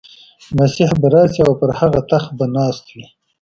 مسیح به راشي او پر هغه تخت به ناست وي.